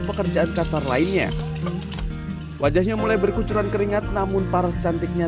pekerjaan kasar lainnya wajahnya mulai berkucuran keringat namun paras cantiknya